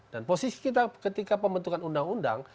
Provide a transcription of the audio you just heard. dan posisi kita ketika pembentukan undang undang